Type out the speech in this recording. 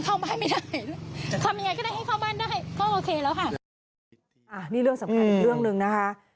เออนี่เรื่องสำคัญอีกเรื่องนึงนะฮะ